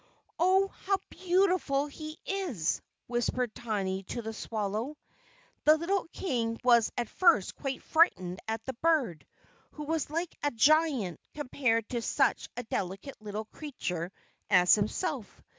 "Oh, how beautiful he is!" whispered Tiny to the swallow. The little King was at first quite frightened at the bird, who was like a giant compared to such a delicate little creature as himself.